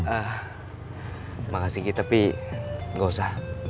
eh makasih kiki tapi gak usah